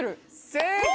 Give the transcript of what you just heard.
正解！